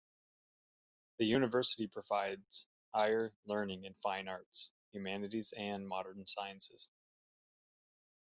The university provides higher learning in fine arts, humanities and modern sciences.